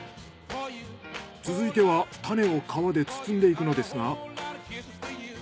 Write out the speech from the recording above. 続いてはタネを皮で包んでいくのですが。